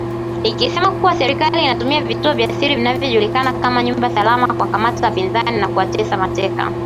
ikisema kuwa serikali inatumia vituo vya siri vinavyojulikana kama nyumba salama kuwakamata wapinzani na kuwatesa mateka